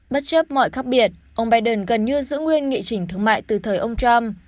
bất chấp mọi khác biệt ông biden gần như giữ nguyên nghị chỉnh thương mại từ thời ông trump